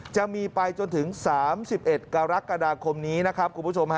จะมีไปจนถึง๓๑กรกฎาคมนี้นะครับ